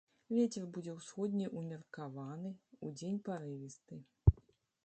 Вецер будзе ўсходні ўмеркаваны, удзень парывісты.